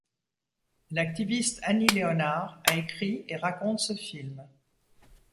L'activiste Annie Leonard a écrit et raconte ce film.